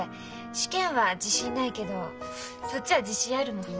試験は自信ないけどそっちは自信あるもん。